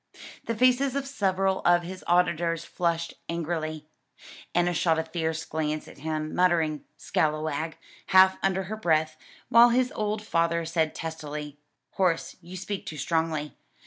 The faces of several of his auditors flushed angrily. Enna shot a fierce glance at him, muttering "scalawag," half under her breath, while his old father said testily, "Horace, you speak too strongly.